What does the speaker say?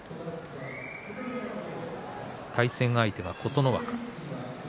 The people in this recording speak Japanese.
対戦相手は琴ノ若です。